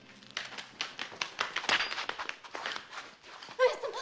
上様！